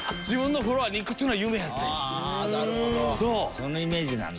そのイメージなんだ。